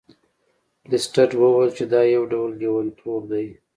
لیسټرډ وویل چې دا یو ډول لیونتوب دی.